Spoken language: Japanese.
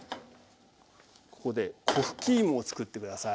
ここでこふきいもをつくって下さい。